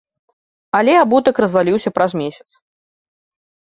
Але абутак разваліўся праз месяц.